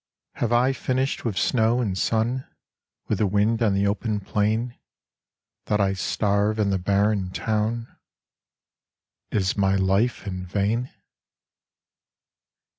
Have I finished with snow and sun, With the wind on the open plain, That I starve in the barren town Is my life in vain?